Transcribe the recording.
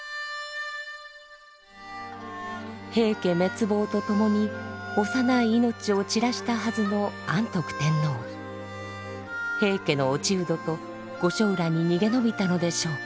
平家滅亡とともに幼い命を散らしたはずの平家の落人と御所浦に逃げ延びたのでしょうか。